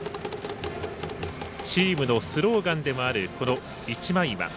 チームのスローガンでもある、一枚岩。